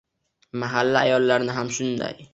Mahalla ayollari ham shunday.